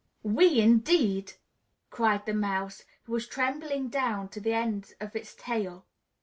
"We, indeed!" cried the Mouse, who was trembling down to the end of its tail.